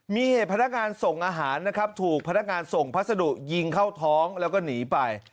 มีเหตุพนักงานส่งอาหารนะครับถูกพนักงานส่งพัสดุยิงเข้าท้องแล้วก็หนีไป